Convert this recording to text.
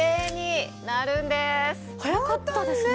早かったですね。